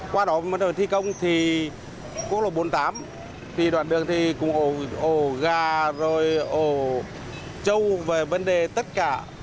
qua đó bắt đầu thi công thì quốc lộ bốn mươi tám thì đoạn đường thì cũng ổ gà rồi ổ trâu về vấn đề tất cả